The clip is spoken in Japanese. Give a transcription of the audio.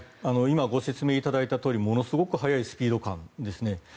ご説明いただいたとおりものすごく速いスピード感ですね。